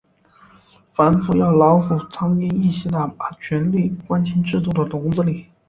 反腐要老虎、苍蝇一起打，把权力关进制度的笼子里。